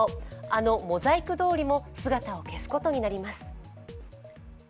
あのモザイク通りも姿を消すことになります。